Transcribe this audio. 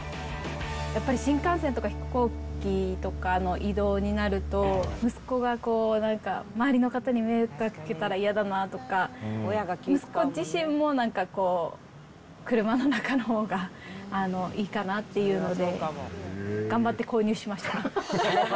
やっぱり新幹線とか飛行機とかの移動になると、息子がこうなんか、周りの方に迷惑をかけたら嫌だなとか、息子自身も車の中のほうがいいかなっていうので、頑張って購入しました。